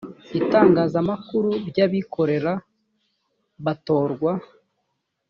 itangazamakuru ry abikorera batorwa